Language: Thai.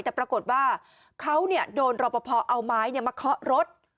แต่ปรากฏว่าเขาเนี่ยโดนรพพอร์เอาไม้มาเคาะรถ